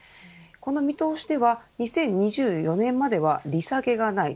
この見通しでは２０２４年までは利下げがない。